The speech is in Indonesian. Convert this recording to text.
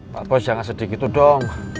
pak bos jangan sedih gitu dong